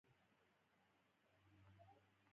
شعیب ملک یو ښه بیټسمېن دئ.